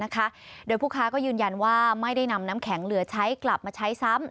โดยผู้ค้าก็ยืนยันว่าไม่ได้นำน้ำแข็งเหลือใช้กลับมาใช้ซ้ำ